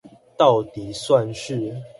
到底算是